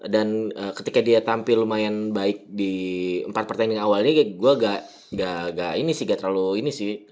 dan ketika dia tampil lumayan baik di empat pertanding awalnya gue nggak ini sih nggak terlalu ini sih